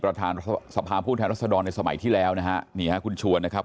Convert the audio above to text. ประธานสภาผู้แทนรัศดรในสมัยที่แล้วนะฮะนี่ฮะคุณชวนนะครับ